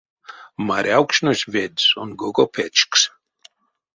Марявкшнось ведь сон гого печксь.